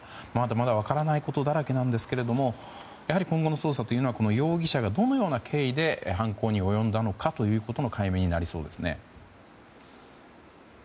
まだ分からないことだらけですがやはり、今後の捜査はこの容疑者がどのような経緯で犯行に及んだのかということの解明になりそうですね。